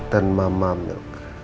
dan mama milk